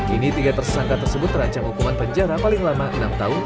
ini tiga tersangka tersebut terancam hukuman penjara paling lama enam tahun